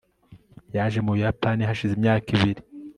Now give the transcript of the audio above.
yaje mu buyapani hashize imyaka ibiri